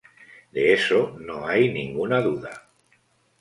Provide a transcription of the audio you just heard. De eso no hay ninguna duda".